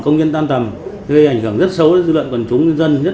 công nhân tan tầm gây ảnh hưởng rất xấu đến dư luận quần chúng nhân dân